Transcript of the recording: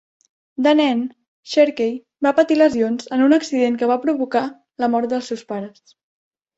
De nen, Sherkey va patir lesions en un accident que va provocar la mort dels seus pares.